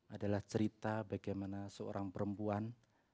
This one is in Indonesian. adalah cerita bagaimana seorang perempuan